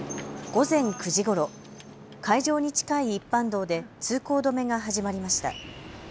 午前９時ごろ、会場に近い一般道で通行止めが始まりました。